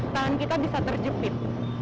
tangan kita bisa terjepit